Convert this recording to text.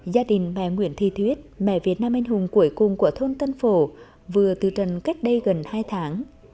gia đình bà nguyễn thi thuyết mẹ việt nam anh hùng cuối cùng của thôn tân phổ từ trần cách đây gần hai tháng